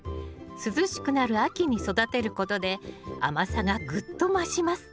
涼しくなる秋に育てることで甘さがグッと増します。